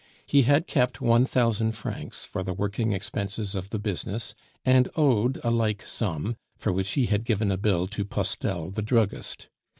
He had kept one thousand francs for the working expenses of the business, and owed a like sum, for which he had given a bill to Postel the druggist.